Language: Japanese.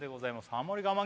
ハモリ我慢